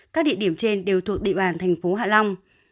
các địa điểm trên đều thuộc địa bàn thành phố hạ long